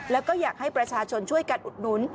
แล้วก็อยากให้ประชาชนช่วยกันอุดหนุน